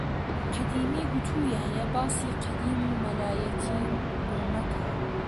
قەدیمی گوتوویانە باسی قەدیم و مەلایەتیم بۆ مەکە!